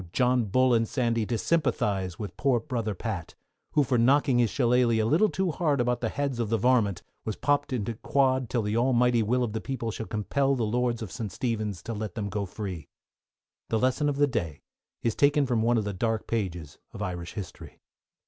John Bull and Sandy, to sympathise with poor Brother Pat, who for knocking his shillaleigh a little too hard about the heads of the varmint, was popped into quod till the Almighty will of the people shall compel the Lords of St. Stephen's to let them go free. _The Lesson for the Day is taken from one of the dark pages of Irish History.